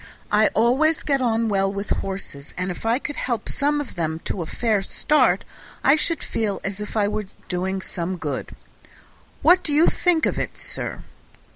I always get on well with horses, and if I could help some of them to a fair start I should feel as if I was doing some good. What do you think of it, sir?"